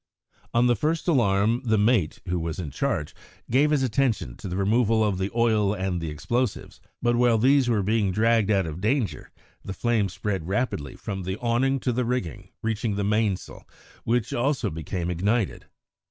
On the first alarm, the mate, who was in charge, gave his attention to the removal of the oil and explosives; but while these were being dragged out of danger the flames spread rapidly from the awning to the rigging, reaching the mainsail, which also became ignited.